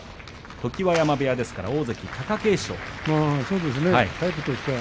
常盤山部屋ですから大関貴景勝がいます。